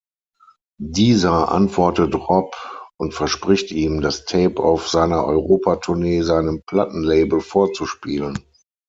Dieser antwortet Rob und verspricht ihm, das Tape auf seiner Europatournee seinem Plattenlabel vorzuspielen.